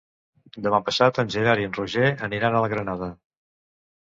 Demà passat en Gerard i en Roger aniran a la Granada.